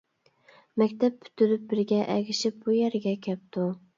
مەكتەپ پۈتتۈرۈپ بىرىگە ئەگىشىپ بۇ يەرگە كەپتۇ.